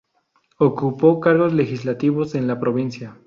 Ocupó cargos legislativos en la provincia.